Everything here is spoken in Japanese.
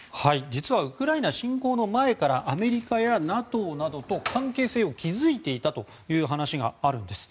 実はウクライナ侵攻の前からアメリカやＮＡＴＯなどと関係性を築いていたという話があるんです。